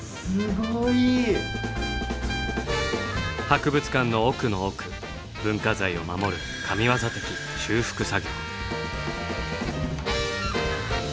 博物館の奥の奥文化財を守る神業的・修復作業。